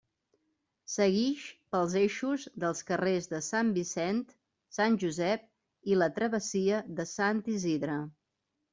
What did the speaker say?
Seguix pels eixos dels carrers de Sant Vicent, Sant Josep i la travessia de Sant Isidre.